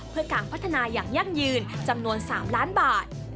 เพื่อการพัฒนาอย่างยั่งยืนจำนวน๓ล้านบาท